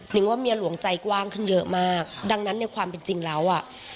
ว่าเมียหลวงใจกว้างขึ้นเยอะมากดังนั้นในความเป็นจริงแล้วอ่ะ